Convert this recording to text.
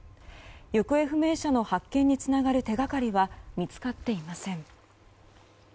行方不明者の発見につながる手掛かりは見つかっていません。